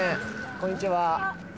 こんにちは